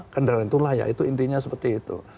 kendaraan itu layak itu intinya seperti itu